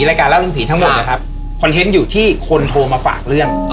รายการเล่าเรื่องผีทั้งหมดนะครับคอนเทนต์อยู่ที่คนโทรมาฝากเรื่อง